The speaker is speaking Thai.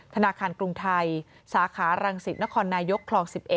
ธนาคารกรุงไทยสาขารังสิตนครนายกคลอง๑๑